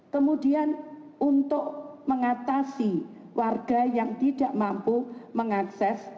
kemudian untuk mengatasi warga yang tidak mampu mengakses